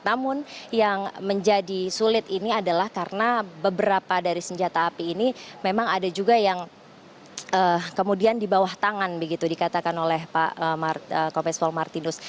namun yang menjadi sulit ini adalah karena beberapa dari senjata api ini memang ada juga yang kemudian di bawah tangan begitu dikatakan oleh pak kompes pol martinus